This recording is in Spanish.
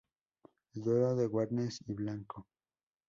El duelo de Warnes y Blanco.